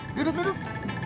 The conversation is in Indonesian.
duduk duduk duduk